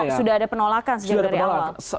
jadi sudah ada penolakan sejak dari awal